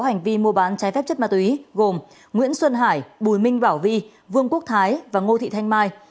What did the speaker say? nguyễn xuân hải bùi minh bảo vị vương quốc thái và ngô thị thanh mai